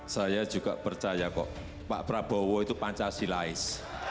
saya juga percaya kok pak prabowo itu pancasilais